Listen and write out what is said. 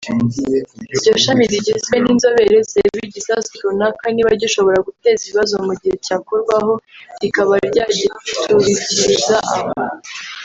Iryo shami rigizwe n’inzobere zireba igisasu runaka niba gishobora guteza ibibazo mu gihe cyakorwaho rikaba ryagiturikiriza aho